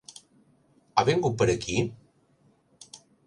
Ha vingut per aquí?